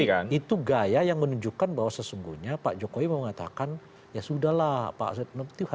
tapi itu gaya yang menunjukkan bahwa sesungguhnya pak jokowi mau mengatakan ya sudah lah pak setnop itu hadapi saja